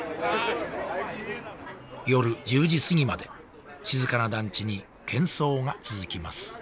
夜１０時過ぎまで静かな団地にけん騒が続きます